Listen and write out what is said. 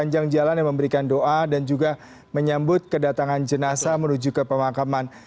sepanjang jalan yang memberikan doa dan juga menyambut kedatangan jenazah menuju ke pemakaman